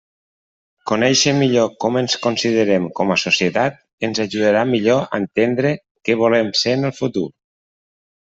Conéixer millor com ens considerem com a societat ens ajudarà millor a entendre què volem ser en el futur.